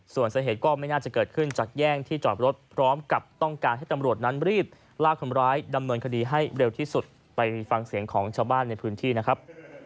ส่วนสาเหตุก็ไม่น่าจะเกิดขึ้นจากแย่งที่จอดรถพร้อมกับต้องการให้ตำรวจนั้นรีบลากคนร้ายดำเนินคดีให้เร็วที่สุดไปฟังเสียงของชาวบ้านในพื้นที่นะครับ